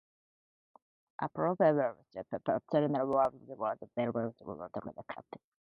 A problem for passengers was the very high level of noise inside the cabin.